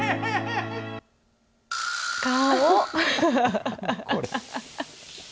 顔。